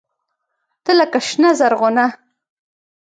تۀ لکه “شنه زرغونه”